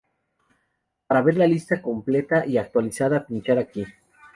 Para ver la lista completa y actualizada pinchar aquí